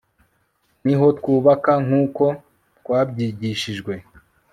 Niho twubaka nkuko twabyigishijwe